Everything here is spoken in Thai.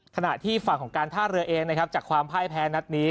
ขณะที่ฝั่งของการท่าเรือเองนะครับจากความพ่ายแพ้นัดนี้